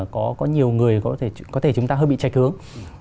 có nhiều người có thể chúng ta hơi bị trách hướng